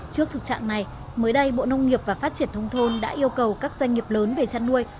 trước thực trạng này mới đây bộ nông nghiệp và phát triển nông thôn đã yêu cầu các doanh nghiệp lớn về chăn nuôi